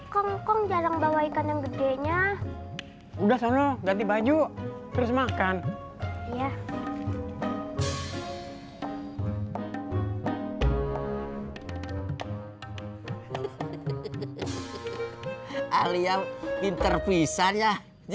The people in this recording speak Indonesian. kok kongkong jarang bawa ikan yang gedenya